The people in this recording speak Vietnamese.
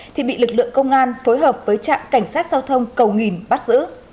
thì bị lực lượng công an phối hợp với trạm cảnh sát giao thông cầu nghìn bắt giữ